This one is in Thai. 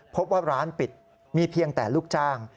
พบว่าร้านปิดมีเพียงแต่ลูกจ้าง